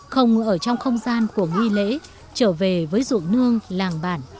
không ở trong không gian của nghi lễ trở về với ruộng nương làng bản